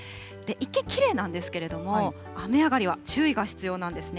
一見、きれいなんですけれども、雨上がりは注意が必要なんですね。